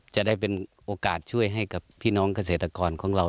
จะได้เป็นโอกาสช่วยให้กับพี่น้องเกษตรกรของเรา